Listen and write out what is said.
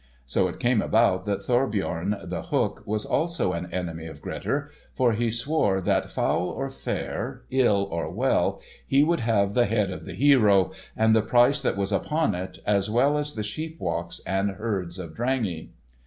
So it came about that Thorbjorn the Hook was also an enemy of Grettir, for he swore that foul or fair, ill or well, he would have the head of the hero, and the price that was upon it, as well as the sheepwalks and herds of Drangey.